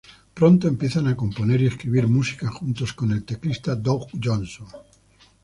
Pronto empiezan a componer y escribir música juntos con el teclista Doug Johnson.